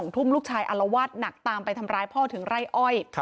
ทุ่มลูกชายอารวาสหนักตามไปทำร้ายพ่อถึงไร่อ้อย